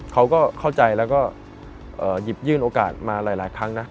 เขาก็เข้าใจแล้วก็หยิบยื่นโอกาสมาหลายครั้งนะ